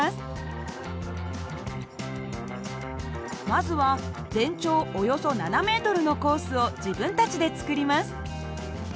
まずは全長およそ７ｍのコースを自分たちで作ります。